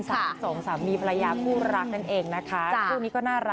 สามสองสามีภรรยาคู่รักนั่นเองนะคะ